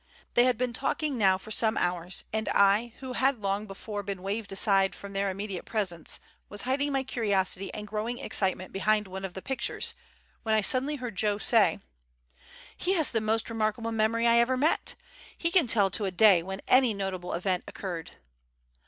They had been talking now for some hours, and I, who had long before been waved aside from their immediate presence, was hiding my curiosity and growing excitement behind one of the pictures, when I suddenly heard Joe say: "He has the most remarkable memory I ever met. He can tell to a day when any notable event occurred."